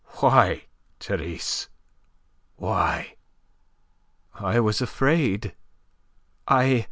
Why, Therese? Why?" "I was afraid. I...